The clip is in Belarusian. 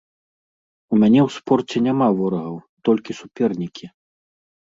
У мяне ў спорце няма ворагаў, толькі супернікі.